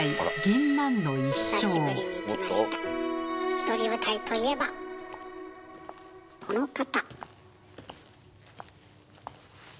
ひとり舞台といえばこの方。